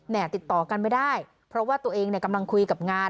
ติดต่อกันไม่ได้เพราะว่าตัวเองเนี่ยกำลังคุยกับงาน